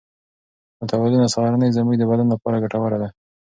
متوازنه سهارنۍ زموږ د بدن لپاره ګټوره ده.